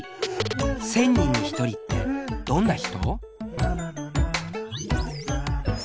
１０００人に１人ってどんな人？